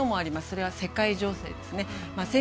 それは世界情勢ですね。